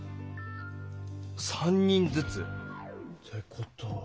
「３人ずつ」って事は。